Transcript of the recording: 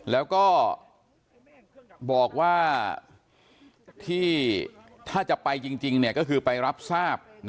แล้วก็บอกว่าที่ถ้าจะไปจริงก็คือไปรับทราบ